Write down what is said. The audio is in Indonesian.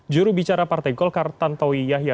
juru bicara partai golkar tantowi yahya